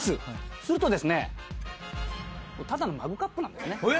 するとただのマグカップなんですね。